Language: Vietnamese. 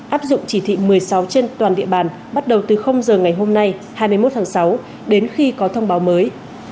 áp dụng chỉ thị một mươi sáu trên toàn địa bàn bắt đầu từ giờ ngày hôm nay hai mươi một tháng sáu đến khi có thông báo mới